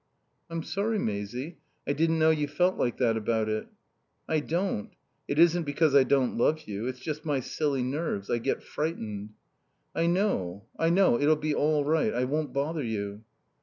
"I'm sorry, Maisie. I didn't know you felt like that about it." "I don't. It isn't because I don't love you. It's just my silly nerves. I get frightened." "I know. I know. It'll be all right. I won't bother you."